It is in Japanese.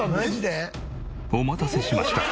お待たせしました。